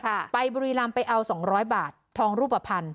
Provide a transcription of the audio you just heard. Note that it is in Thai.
ไปบุรีรำไปเอาสองร้อยบาททองรูปภัณฑ์